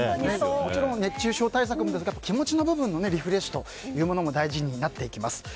もちろん熱中症対策もですが気持ちの部分のリフレッシュも大事になってきます。